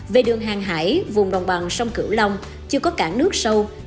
về đường hàng hải vùng đồng bằng sông cửu long chưa có cảng nước sâu